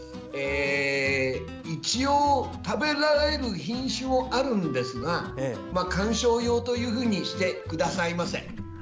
一応、食べられる品種もあるんですが観賞用としてくださいませ。